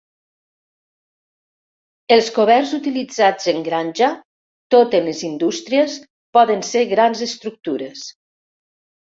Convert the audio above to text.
Els coberts utilitzats en granja tot en les indústries poden ser grans estructures.